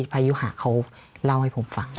พายุหาเขาเล่าให้ผมฟัง